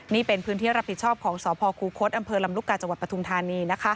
นี่เป็นพื้นที่รับผิดชอบของสครูโค้ดอำเภอลำรุกาจปทุมธานี